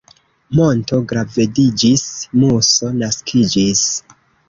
Monto gravediĝis, muso naskiĝis.